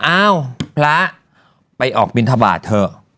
อ้าวพระไปออกบินทบาทเถอะ